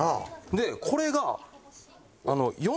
でこれが。